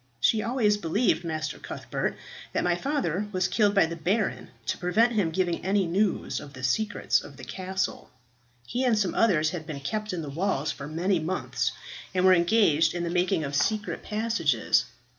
"She always believed, Master Cuthbert, that my father was killed by the baron, to prevent him giving any news of the secrets of the castle. He and some others had been kept in the walls for many months, and were engaged in the making of secret passages."